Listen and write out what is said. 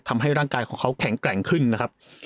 ทำให้ร่างกายของเขาแข็งแกร่งขึ้นนะครับ